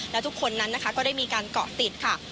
และทุกคนนั้นนะคะก็ได้มีการเกาะติดค่ะ